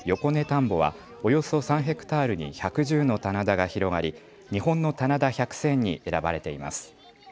田んぼはおよそ３ヘクタールに１１０の棚田が広がり日本の棚田百選に選ばれています。